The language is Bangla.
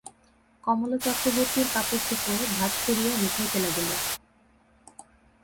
কমলা চক্রবর্তীর কাপড়চোপড় ভাঁজ করিয়া গুছাইতে লাগিল।